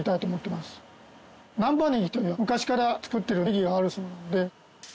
難波ネギという昔から作っているネギがあるそうなので。